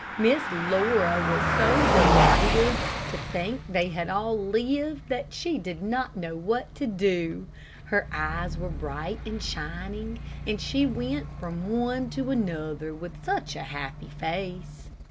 Miss Laura was so delighted to think that they had all lived, that she did not know what to do. Her eyes were bright and shining, and she went from one to another with such a happy face.